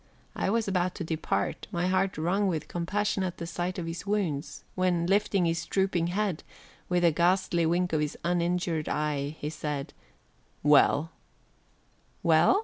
I was about to depart, my heart wrung with compassion at the sight of his wounds, when, lifting his drooping head, with a ghastly wink of his uninjured eye, he said: "Well!" "Well!"